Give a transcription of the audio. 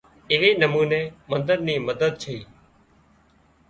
ايوي نموني منۮر ني مدد ڇئي